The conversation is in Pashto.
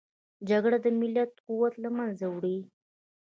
جګړه د ملت قوت له منځه وړي